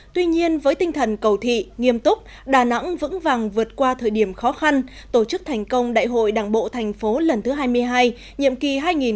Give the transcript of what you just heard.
tuy nhiên với tinh thần cầu thị nghiêm túc đà nẵng vững vàng vượt qua thời điểm khó khăn tổ chức thành công đại hội đảng bộ thành phố lần thứ hai mươi hai nhiệm kỳ hai nghìn hai mươi hai nghìn hai mươi năm